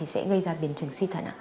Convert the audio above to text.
sẽ gây ra biến chứng suy thận